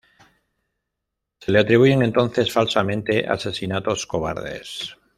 Se le atribuyen entonces falsamente asesinatos cobardes.